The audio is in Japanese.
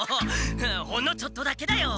ほんのちょっとだけだよ！